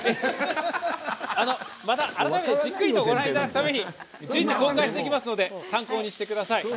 また改めて、じっくりとご覧いただくために順次公開していきますので参考にしてください。